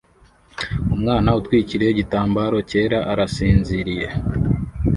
Umwana utwikiriye igitambaro cyera arasinziriye